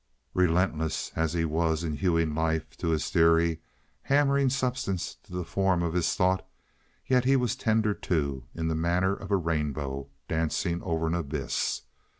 Relentless as he was in hewing life to his theory—hammering substance to the form of his thought—yet he was tender, too, in the manner of a rainbow dancing over an abyss.